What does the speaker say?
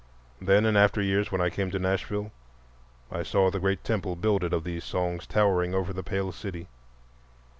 Then in after years when I came to Nashville I saw the great temple builded of these songs towering over the pale city.